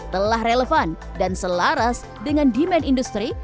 telah relevan dan selaras dengan demand industri